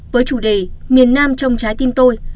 với chủ đề miền nam trong trái tim tôi